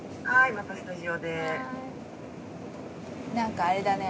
またスタジオで何かあれだね